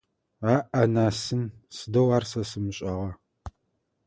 Аӏ-анасын, сыдэу ар сэ сымышӏагъа!